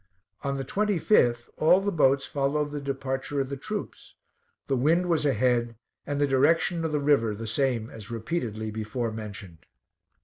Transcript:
On the 25th, all the boats followed the departure of the troops; the wind was ahead, and the direction of the river the same as repeatedly before mentioned.